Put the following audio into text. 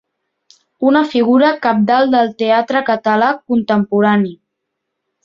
Una figura cabdal del teatre català contemporani.